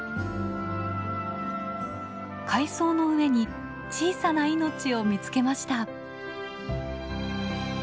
海藻の上に小さな命を見つけました。